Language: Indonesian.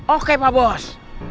oke pak bos